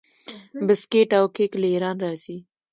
بسکیټ او کیک له ایران راځي.